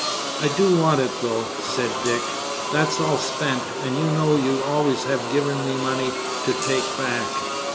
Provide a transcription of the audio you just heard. "I do want it, though," said Dick; "that's all spent. And you know you always have given me money to take back."